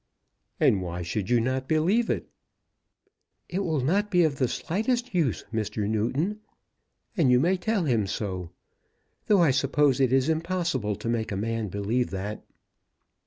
"And why should you not believe it?" "It will not be of the slightest use, Mr. Newton; and you may tell him so. Though I suppose it is impossible to make a man believe that."